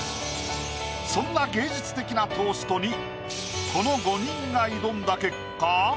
そんな芸術的なトーストにこの五人が挑んだ結果。